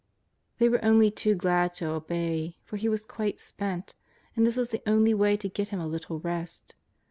They were only too glad to obey, for He was quite spent, and this was the only w^ay to get Him a little rest.